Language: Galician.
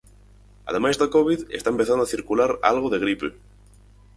Ademais da covid, está empezando a circular algo de gripe.